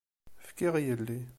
Fkiɣ yelli.